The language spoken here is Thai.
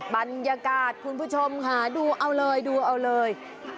บรรยากาศคุณผู้ชมค่ะดูเอาเลยดูเอาเลย